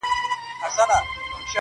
زموږ په ناړو د کلو رنځور جوړیږي -